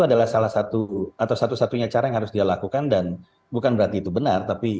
adalah salah satu atau satu satunya cara yang harus dia lakukan dan bukan berarti itu benar tapi